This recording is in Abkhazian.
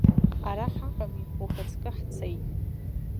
Ара ҳаҟами, ухаҵкы ҳцеит.